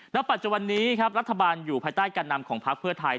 ปัจจุบันนี้ครับรัฐบาลอยู่ภายใต้การนำของพักเพื่อไทย